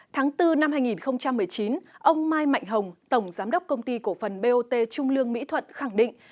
tháng bốn năm hai nghìn một mươi chín ông mai mạnh hồng tổng giám đốc công ty cổ phần bot trung lương mỹ thuận khẳng định